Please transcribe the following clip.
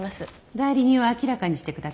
代理人は明らかにしてください。